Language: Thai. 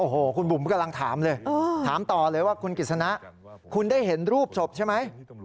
โอ้โหคุณบุ๋มกำลังถามเลยถามต่อเลยว่าคุณกิจสนะคุณได้เห็นรูปศพใช่ไหม